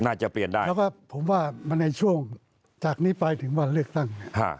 แล้วก็ผมว่ามันในช่วงจากนี้ไปถึงวันเลือกตั้ง